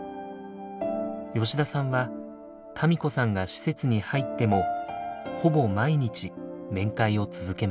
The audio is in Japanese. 吉田さんは多美子さんが施設に入ってもほぼ毎日面会を続けました。